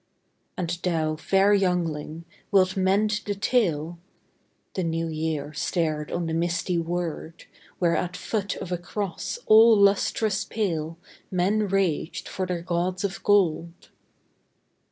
" And thou, fair youngling, wilt mend the tale? " The New Year stared on the misty wold, Where at foot of a cross all lustrous pale Men raged for their gods of gold.